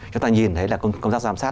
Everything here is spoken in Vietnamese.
chúng ta nhìn thấy là công trang giám sát